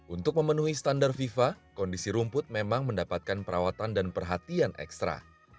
untuk memenuhi standar fifa kondisi rumput memang mendapatkan perawatan dan perhatian ekstra